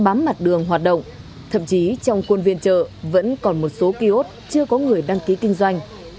bám mặt đường hoạt động thậm chí trong quân viên chợ vẫn còn một số kiosk chưa có người đăng ký kinh doanh